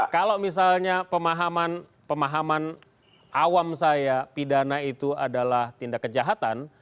kalau misalnya pemahaman awam saya pidana itu adalah tindak kejahatan